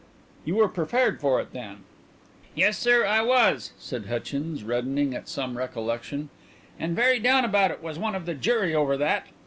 "You were prepared for it then?" "Yes, sir, I was," said Hutchins, reddening at some recollection, "and very down about it was one of the jury over that.